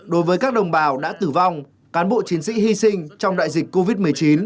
đối với các đồng bào đã tử vong cán bộ chiến sĩ hy sinh trong đại dịch covid một mươi chín